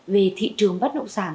về thị trường bắt nộp sản